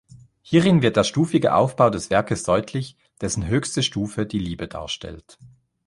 Hierin wird der stufige Aufbau des Werkes deutlich, dessen höchste Stufe die Liebe darstellt.